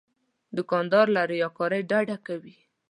دوکاندار له ریاکارۍ ډډه کوي.